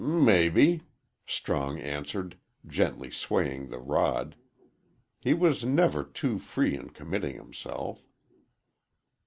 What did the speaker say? "Mebbe," Strong answered, gently swaying the rod. He was never too free in committing himself.